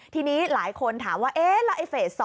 ทีนี้หลายคนถามว่าเอ๊ะแล้วไอ้เฟส๒